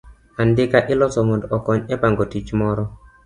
Andika iloso mondo okony e pango tich moro.